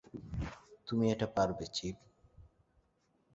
তুমি এটা পারবে, চিপ।